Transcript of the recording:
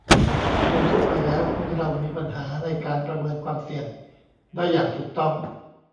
โดยทั่วไปแล้วคนเรามีปัญหาในการประเมินความเสี่ยงได้อย่างถูกต้อง